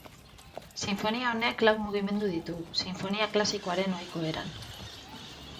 Sinfonia honek lau mugimendu ditu, sinfonia klasikoaren ohiko eran.